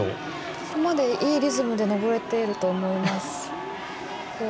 ここまで、いいリズムで登れていると思います。